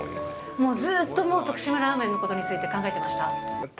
もうずっと、もう徳島ラーメンことについて、考えてました？